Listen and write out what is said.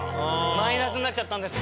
マイナスになっちゃったんです。